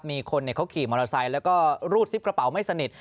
มีคนเขาขี่มอเตอร์ไซค์แล้วก็รูดซิปกระเป๋าไม่สนิท